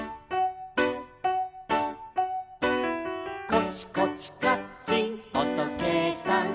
「コチコチカッチンおとけいさん」